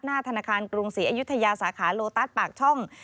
หน้าธนาคารกรุงศรีอายถยะสาขาโลตัสปากช่อง